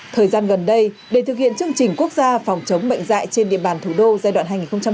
thời gian gần đây để thực hiện chương trình quốc gia phòng chống bệnh dạy trên địa bàn thủ đô giai đoạn hai nghìn hai mươi hai hai nghìn ba mươi